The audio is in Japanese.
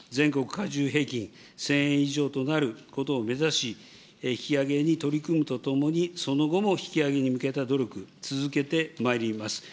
加重平均１０００円以上となることを目指し、引き上げに取り組むとともに、その後も引き上げに向けた努力、続けてまいります。